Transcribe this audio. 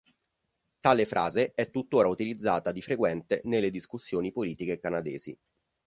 Tale frase è tuttora utilizzata di frequente nelle discussioni politiche canadesi.